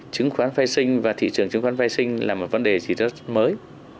chứng khoán phái sinh và thị trường chứng khoán phái sinh là một vấn đề gì đó mới